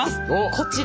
こちら。